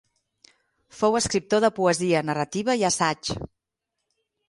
Fou escriptor de poesia, narrativa i assaig.